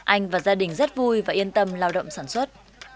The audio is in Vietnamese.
anh và gia đình rất vui và yên tâm lao động sản xuất